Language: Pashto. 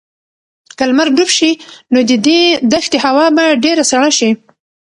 که لمر ډوب شي نو د دې دښتې هوا به ډېره سړه شي.